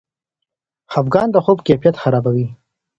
خفګان د خوب کیفیت خرابوي.